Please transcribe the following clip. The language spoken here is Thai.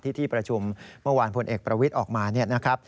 ที่ที่ประชุมเมื่อวานภูมิเอกประวิศออกมา